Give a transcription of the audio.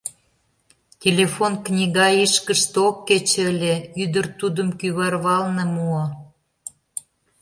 Телефон книга ишкыште ок кече ыле, ӱдыр тудым кӱварвалне муо.